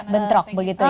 bentrok begitu ya